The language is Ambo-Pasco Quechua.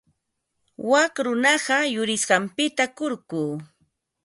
Wak runaqa yurisqanpita kurku.